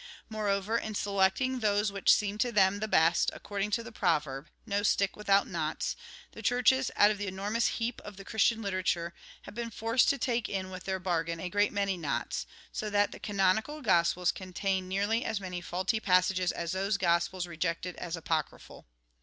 Moreover, in selecting those which seemed to them the best, according to the proverb, " No stick with out knots," the Churches, out of the enormous heap of the Christian literature, have been forced to talvc in with their bargain a great many knots ; so that AUTHOR'S PREFACE 7 the canonical Gospels contain nearly as many faulty passages as those Gospels rejected as apocryphal.